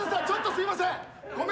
ちょっとすいません！